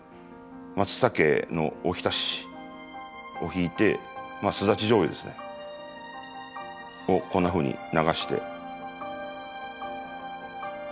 マツタケのお浸しをひいてスダチじょうゆですね。をこんなふうに流して。